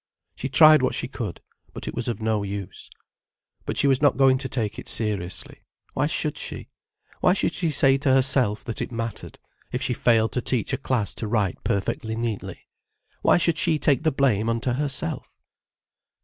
She tried what she could, but it was of no use. But she was not going to take it seriously. Why should she? Why should she say to herself, that it mattered, if she failed to teach a class to write perfectly neatly? Why should she take the blame unto herself?